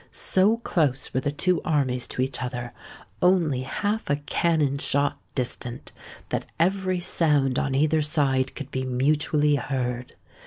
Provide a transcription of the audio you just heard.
So close were the two armies to each other—only half a cannon shot distant—that every sound on either side could be mutually heard.